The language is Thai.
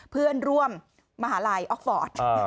เพื่อนร่วมมหาลัยออกฟอร์ต